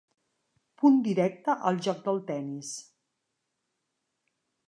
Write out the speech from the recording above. Punt directe al joc del tennis.